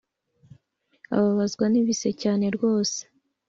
ababazwa n’ibise cyane rwose